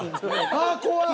ああ怖っ。